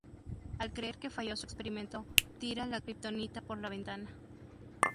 Al creer que falló su experimento, tira la kryptonita por la ventana.